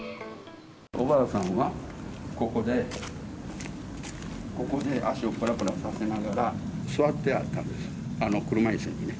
おばあさんはここで、ここで足をぷらぷらさせながら、座ってはったんです、車いすにね。